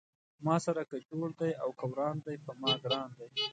ما سره که جوړ دی او که وران دی پۀ ما ګران دی